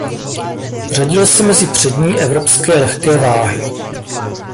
Řadil se mezi přední evropské lehké váhy.